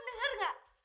dia eiwengi banyak